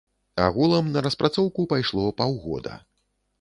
Агулам на распрацоўку пайшло паўгода.